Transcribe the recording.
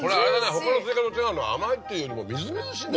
他のスイカと違うのは甘いっていうよりもみずみずしいんだね。